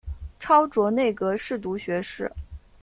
超擢内阁侍读学士。